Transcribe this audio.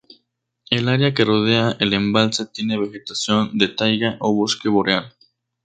El área que rodea el embalse tiene vegetación de taiga o bosque boreal.